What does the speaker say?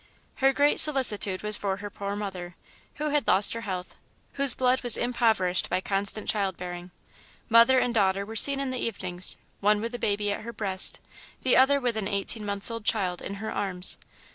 Her great solicitude was for her poor mother, who had lost her health, whose blood was impoverished by constant child bearing. Mother and daughter were seen in the evenings, one with a baby at her breast, the other with an eighteen months old child in her arms.